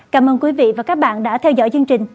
cảm ơn quý vị và các bạn đã theo dõi chương trình